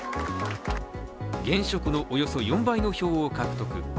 現職のおよそ４倍の票を獲得。